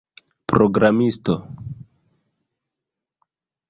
programisto